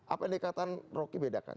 apa yang dikatakan rocky bedakan